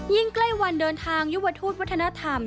ใกล้วันเดินทางยุวทูตวัฒนธรรม